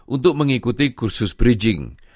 untuk mengikuti kursus bridging